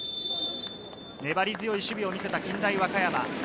粘り強い守備を見せた近大和歌山。